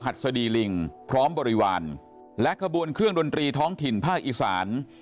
หัสดีลิงพร้อมบริวารและขบวนเครื่องดนตรีท้องถิ่นภาคอีสาน